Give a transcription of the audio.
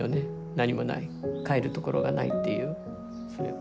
何もない帰るところがないっていう。